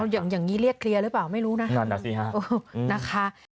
อย่างนี้เรียกเคลียร์หรือเปล่าไม่รู้นะ